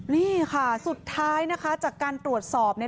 นี่ค่ะสุดท้ายนะคะจากการตรวจสอบเนี่ย